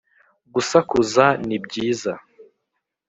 gusakuza ni byiza